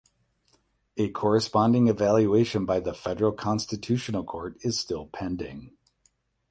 A corresponding evaluation by the Federal Constitutional Court is still pending.